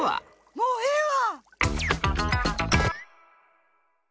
もうええわ！